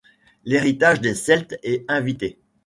L'Héritage des Celtes est invité.